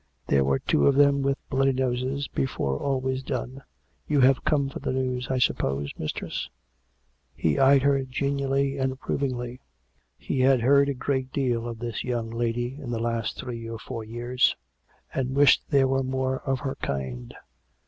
" There were two of them with bloody noses before all was done. ... You have come for the news, I suppose, mistress ?" He eyed her genially and approvingly. He had heard a great deal of this young lady in the last three or four years ; and wished there were more of her kind.